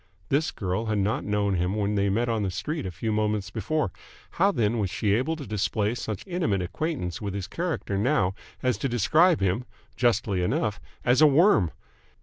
This girl had not known him when they met on the street a few moments before. How then was she able to display such intimate acquaintance with his character now as to describe him justly enough as a worm?